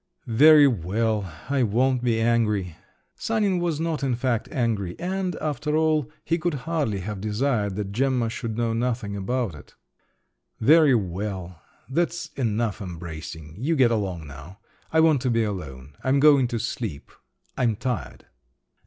"Very well, I won't be angry"—(Sanin was not, in fact, angry—and, after all, he could hardly have desired that Gemma should know nothing about it). "Very well … that's enough embracing. You get along now. I want to be alone. I'm going to sleep. I'm tired."